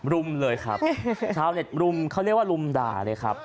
รุมเลยครับชาวเน็ตรุมเขาเรียกว่ารุมด่าเลยครับ